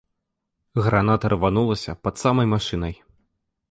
Граната рванулася пад самай машынай.